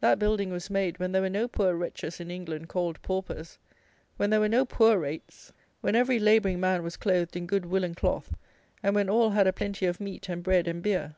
"That building was made when there were no poor wretches in England, called paupers; when there were no poor rates; when every labouring man was clothed in good woollen cloth; and when all had a plenty of meat and bread and beer."